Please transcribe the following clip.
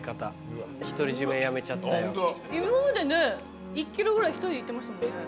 今まで１ｋｇぐらい１人でいってましたもんね。